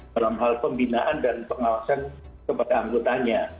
dalam hal pembinaan dan pengawasan kepada anggotanya